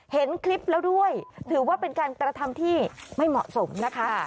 เห็นคลิปแล้วด้วยถือว่าเป็นการกระทำที่ไม่เหมาะสมนะคะ